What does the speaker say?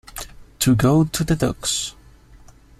To go to the dogs.